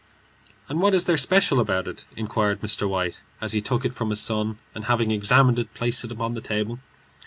"And what is there special about it?" inquired Mr. White as he took it from his son, and having examined it, placed it upon the table.